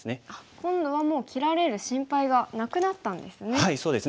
今度はもう切られる心配がなくなったんですね。